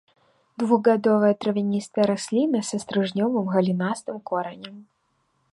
Двухгадовая травяністая расліна са стрыжнёвым галінастым коранем.